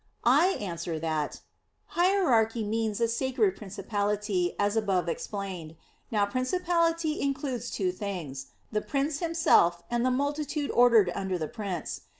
I answer that, Hierarchy means a "sacred" principality, as above explained. Now principality includes two things: the prince himself and the multitude ordered under the prince.